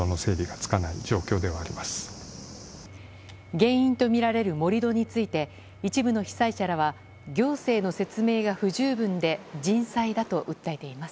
原因とみられる盛り土について一部の被災者らは行政の説明が不十分で人災だと訴えています。